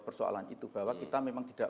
persoalan itu bahwa kita memang tidak